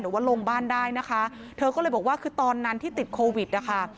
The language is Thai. หรือว่าลงบ้านได้นะคะเธอก็เลยบอกว่าคือตอนนั้นที่ติดโควิดนะคะ